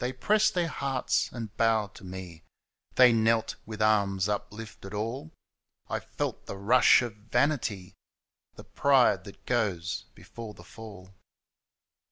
They pressed their hearts and bowed to me. They knelt with arms uplifted all. I felt the rush of vanity — The pride that goes before the fall.